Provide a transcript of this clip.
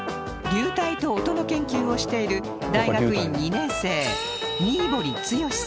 流体と音の研究をしている大学院２年生